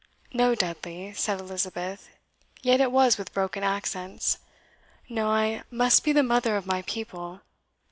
"No, Dudley," said Elizabeth, yet it was with broken accents "no, I must be the mother of my people.